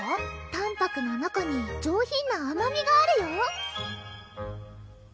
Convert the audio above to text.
淡泊な中に上品なあまみがあるよ